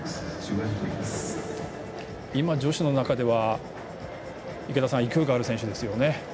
今、女子の中では勢いがある選手ですよね。